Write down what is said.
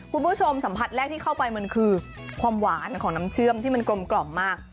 คุณผู้ชมสัมผัสแรกที่เข้าไปมันคือความหวานของน้ำเชื่อมที่มันกลมกล่อมมาก